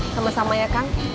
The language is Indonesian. sama sama ya kang